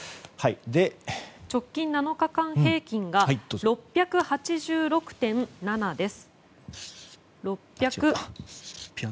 直近７日間平均が６８６．７です。